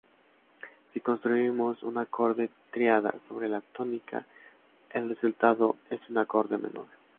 Si construimos un acorde tríada sobre la tónica el resultado es un acorde menor.